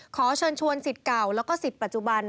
ขอเชิญชวนสิทธิ์เก่าแล้วก็สิทธิ์ปัจจุบัน